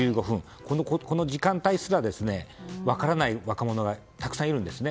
この時間帯すら分からない若者がたくさんいるんですね。